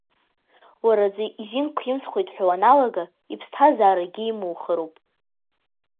Уара аӡәы изинқәа имсхуеит ҳәа уаналага, иԥсҭазаарагьы имухыроуп.